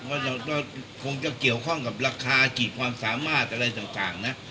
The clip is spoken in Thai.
ว่าเราคงจะเกี่ยวข้องกับราคาขีดความสามารถอะไรต่างนะ